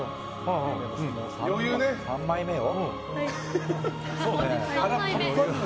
３枚目よ。